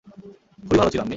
খুবই ভালো ছিল, আম্মি।